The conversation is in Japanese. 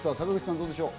どうでしょう？